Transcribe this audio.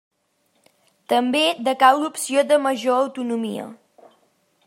També decau l'opció de major autonomia.